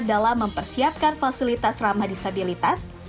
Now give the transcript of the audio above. dalam mempersiapkan fasilitas ramah disabilitas